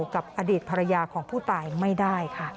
กับอดีตภรรยาของผู้ตายไม่ได้ค่ะ